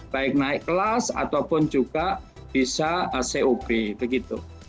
baik naik kelas ataupun juga bisa cob begitu